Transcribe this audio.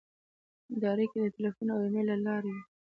دا اړیکې د تیلفون او ایمېل له لارې وې.